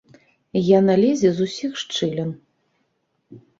Яна лезе з усіх шчылін.